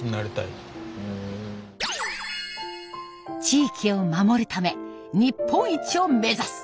地域を守るため日本一を目指す。